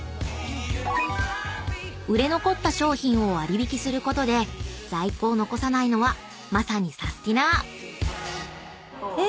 ［売れ残った商品を割引することで在庫を残さないのはまさにサスティな！］え！